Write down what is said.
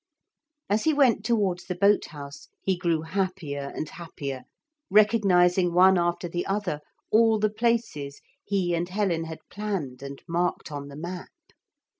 As he went towards the boat house he grew happier and happier, recognising, one after the other, all the places he and Helen had planned and marked on the map.